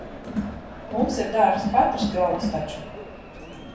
Mums ir dārgs katrs grauds taču.